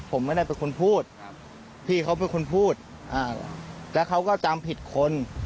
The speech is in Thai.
ผมไม่ได้เป็นคนพูดพี่เขาเป็นคนพูดแล้วเขาก็จำผิดคน